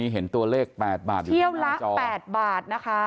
เห็นตัวเลข๘บาทเที่ยวละ๘บาทนะคะ